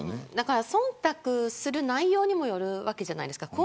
忖度する内容にもよるわけじゃないですか。